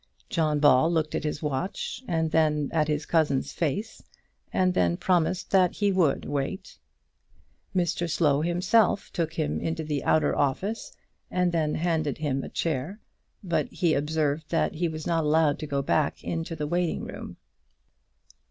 John Ball looked at his watch, and then at his cousin's face, and then promised that he would wait. Mr Slow himself took him into the outer office, and then handed him a chair; but he observed that he was not allowed to go back into the waiting room.